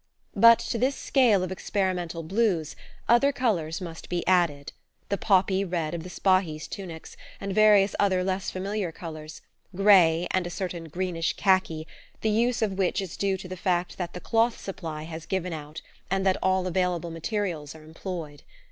But to this scale of experimental blues, other colours must be added: the poppy red of the Spahis' tunics, and various other less familiar colours grey, and a certain greenish khaki the use of which is due to the fact that the cloth supply has given out and that all available materials are employed.